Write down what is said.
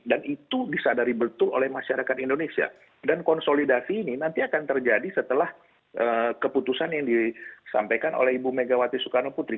dan itu disadari betul oleh masyarakat indonesia dan konsolidasi ini nanti akan terjadi setelah keputusan yang disampaikan oleh ibu megawati soekarno putri